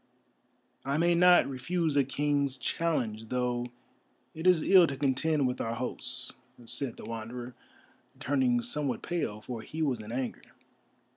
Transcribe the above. "I may not refuse a King's challenge, though it is ill to contend with our hosts," said the Wanderer, turning somewhat pale, for he was in anger.